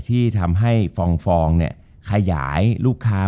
จบการโรงแรมจบการโรงแรม